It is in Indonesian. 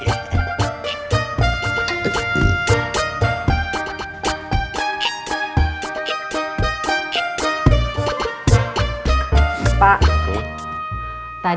dia tanya apa lo mau berhubungan